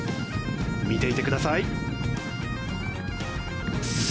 見ていてください。